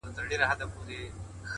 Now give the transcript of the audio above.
• مستي خاموشه کیسې سړې دي ,